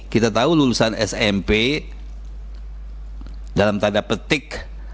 kita tahu lulusan smp dalam tanda petik